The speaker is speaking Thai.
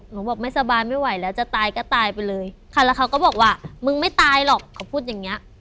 บอกไม่สบายไม่ไหวแล้วจะตายก็ตายไปเลยค่ะแล้วเขาก็บอกว่ามึงไม่ตายหรอกเขาพูดอย่างเงี้ย